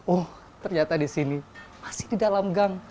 oh ternyata disini masih di dalam gang